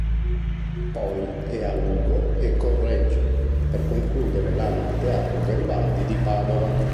Poi è a Lugo e Correggio, per concludere l'anno al teatro Garibaldi di Padova.